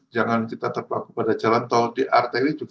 jangan kita terbaku pada jalan tol di arteri juga